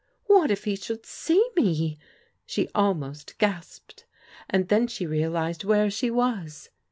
" What if he should see me? " she almost gasped, and then she realized where she was.